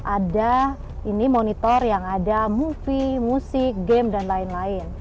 ada ini monitor yang ada movie musik game dan lain lain